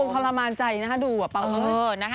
ผมทรมานใจนะคะดูว่าเปล่าเอิ้น